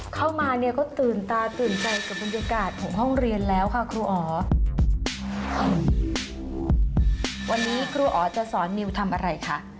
เข้ามาเนี่ยก็ตื่นตาตื่นใจกับบรรยากาศของห้องเรียนแล้วค่ะครูอ๋อวันนี้ครูอ๋อจะสอนนิวทำอะไรคะ